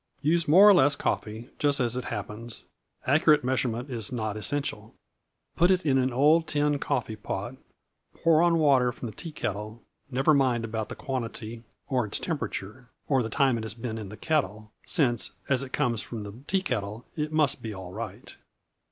Use more or less coffee, just as it happens; accurate measurement is not essential. Put it in an old tin coffee pot; pour on water from the tea kettle never mind about the quantity or its temperature, or the time it has been in the kettle, since, as it comes from the tea kettle, it must be all right.